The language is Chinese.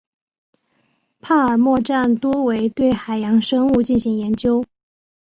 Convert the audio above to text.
帕尔默站多为对海洋生物进行研究。